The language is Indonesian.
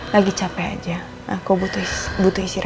lagi capek aja aku butuh istirahat